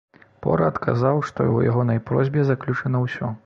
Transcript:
Пор адказаў, што ў ягонай просьбе заключана ўсё.